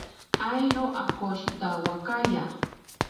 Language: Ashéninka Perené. Airo akoshitawakaya.